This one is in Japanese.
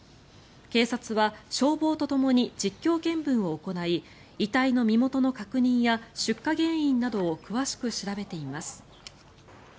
警察は消防とともに実況見分を行い遺体の身元の確認や出火原因などを詳しく調べています。